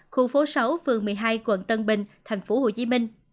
khu phố sáu phường một mươi hai quận tân bình tp hcm